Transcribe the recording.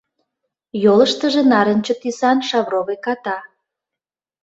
Йолыштыжо нарынче тӱсан шавровый ката.